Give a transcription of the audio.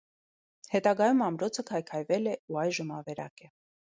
Հետագայում ամրոցը քայքայվել է ու այժմ ավերակ է։